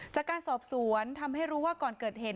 จากการสอบสวนทำให้รู้ว่าก่อนเกิดเหตุ